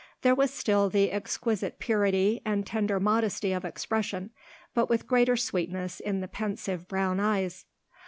There was still the exquisite purity and tender modesty of expression, but with greater sweetness in the pensive brown eyes.